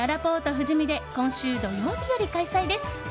富士見で今週土曜日より開催です。